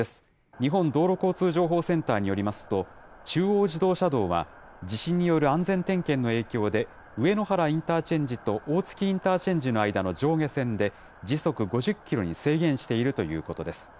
日本道路交通情報センターによりますと、中央自動車道は地震による安全点検の影響で上野原インターチェンジと大月インターチェンジの間の上下線で、時速５０キロに制限しているということです。